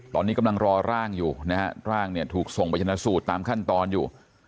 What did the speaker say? ตอนนี้กำลังรอร่างอยู่นะฮะร่างเนี่ยถูกส่งไปชนะสูตรตามขั้นตอนอยู่